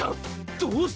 どうして？